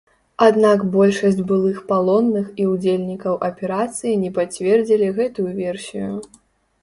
Аднак большасць былых палонных і ўдзельнікаў аперацыі не пацвердзілі гэтую версію.